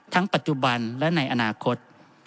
ปัจจุบันและในอนาคต